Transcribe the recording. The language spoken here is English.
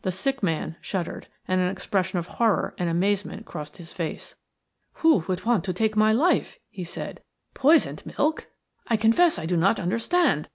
The sick man shuddered, and an expression of horror and amazement crossed his face. "Who would want to take my life?" he said. "Poisoned milk! I confess I do not understand.